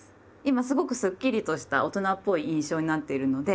今すごくスッキリとした大人っぽい印象になっているので。